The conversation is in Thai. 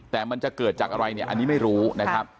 แต่มันจะเกิดจากอะไรเนี่ยอันนี้ไม่รู้นะครับ